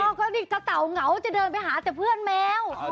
เอ้าเขามีแต่เตาเหงาจะเดินไปหาแต่เพื่อนแมว